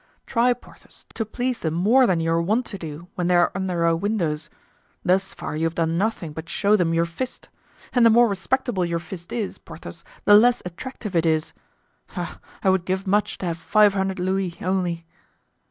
Try, Porthos, to please them more than you are wont to do when they are under our windows. Thus far you have done nothing but show them your fist; and the more respectable your fist is, Porthos, the less attractive it is. Ah, I would give much to have five hundred louis, only."